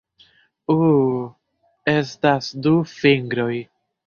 Uh... estas du fingroj.